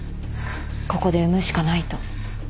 ここで産むしかないと。